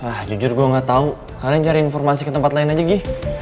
ah jujur gue gak tau kalian cari informasi ke tempat lain aja gi